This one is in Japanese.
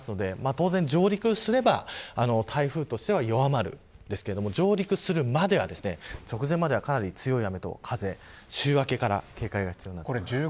当然、上陸すれば台風としては弱まるんですが上陸するまでは、直前まではかなり強い雨と風に週明けから警戒が必要です。